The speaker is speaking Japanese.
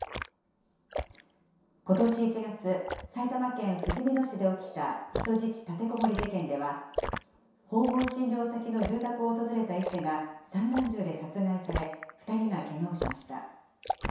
ことし１月、埼玉県ふじみ野市で起きた人質立てこもり事件では、訪問診療先の住宅を訪れた医師が散弾銃で殺害され、２人がけがをしました。